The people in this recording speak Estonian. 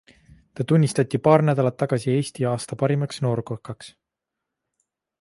Ta tunnistati paar nädalat tagasi Eesti aasta parimaks noorkokaks.